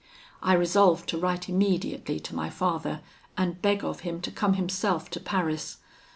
I resolved to write immediately to my father, and beg of him to come himself to Paris.